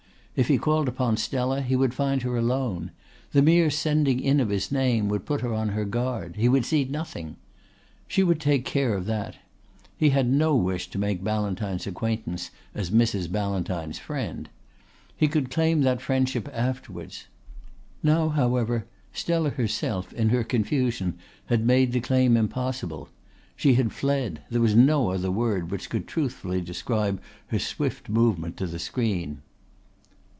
If he called upon Stella he would find her alone; the mere sending in of his name would put her on her guard; he would see nothing. She would take care of that. He had no wish to make Ballantyne's acquaintance as Mrs. Ballantyne's friend. He could claim that friendship afterwards. Now however Stella herself in her confusion had made the claim impossible. She had fled there was no other word which could truthfully describe her swift movement to the screen.